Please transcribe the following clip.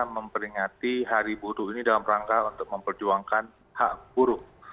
memperingati hari buruh ini dalam rangka untuk memperjuangkan hak buruh